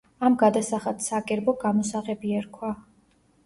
ამ გადასახადს საგერბო გამოსაღები ერქვა.